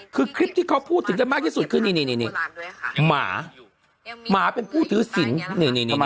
คือคลิปที่เขาพูดถึงกันมากที่สุดคือนี่หมาหมาเป็นผู้ถือศิลป์